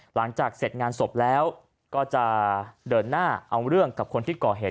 หลังจากเสร็จงานศพแล้วก็จะเดินหน้าเอาเรื่องกับคนที่ก่อเหตุ